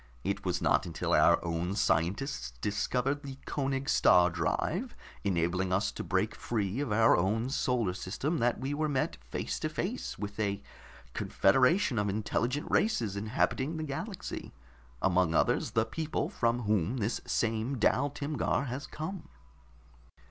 It was not until our own scientists discovered the Koenig star drive, enabling us to break free of our own solar system, that we were met face to face with a confederation of intelligent races inhabiting the galaxy among others, the people from whom this same Dal Timgar has come."